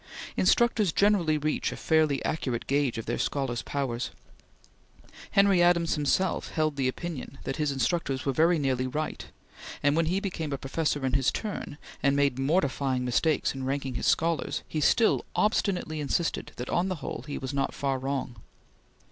Instructors generally reach a fairly accurate gauge of their scholars' powers. Henry Adams himself held the opinion that his instructors were very nearly right, and when he became a professor in his turn, and made mortifying mistakes in ranking his scholars, he still obstinately insisted that on the whole, he was not far wrong.